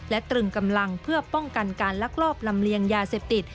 และตรึงกำลังเพื่อป้องกันการลักลอบลำเลียงยาเสพติด